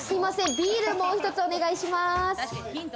ビールもう１つお願いします。